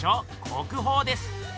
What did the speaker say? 国宝です！